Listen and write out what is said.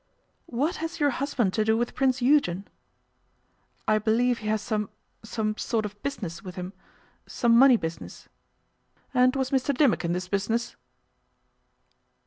'What has your husband to do with Prince Eugen?' 'I believe he has some some sort of business with him, some money business.' 'And was Mr Dimmock in this business?